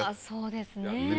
そうですね。